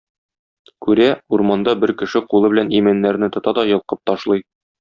Күрә: урманда бер кеше кулы белән имәннәрне тота да йолкып ташлый.